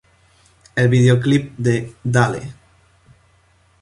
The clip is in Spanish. El videoclip de "Dale!